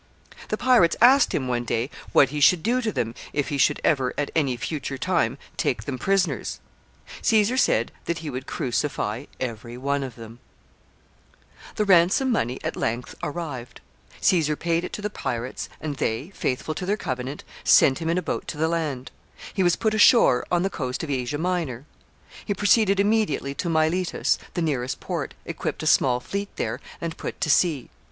The pirates asked him one day what he should do to them if he should ever, at any future time, take them prisoners. Caesar said that he would crucify every one of them. [Sidenote: Caesar at liberty.] [Sidenote: He captures the pirates in his turn.] The ransom money at length arrived. Caesar paid it to the pirates, and they, faithful to their covenant, sent him in a boat to the land. He was put ashore on the coast of Asia Minor. He proceeded immediately to Miletus, the nearest port, equipped a small fleet there, and put to sea.